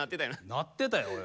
なってたよおい。